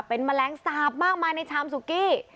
เป็นแมลงสาบมากมายในชามสุกี้